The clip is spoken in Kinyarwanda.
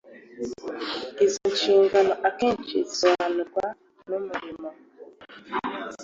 Izo nshingano akenshi zisobanurwa n umurimo